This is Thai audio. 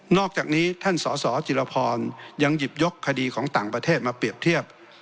อกจากนี้ท่านสสจิรพรยังหยิบยกคดีของต่างประเทศมาเปรียบเทียบ